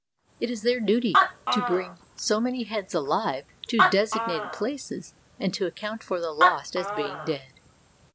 It is their duty to bring so many heads alive to designated places and to account for the lost as being dead.